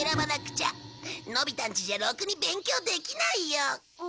のび太ん家じゃろくに勉強できないよ。